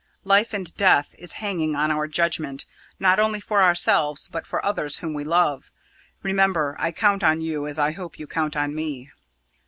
Life and death is hanging on our judgment, not only for ourselves, but for others whom we love. Remember, I count on you as I hope you count on me."